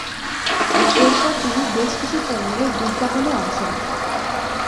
এরপর তিনি বেশকিছু পণ্যের বিজ্ঞাপন-এ অংশ নেন।